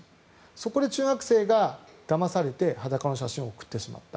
そこで中学生がだまされて裸の写真を送ってしまった。